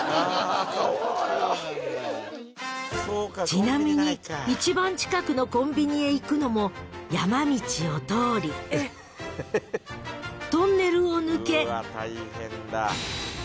［ちなみに一番近くのコンビニへ行くのも山道を通りトンネルを抜け］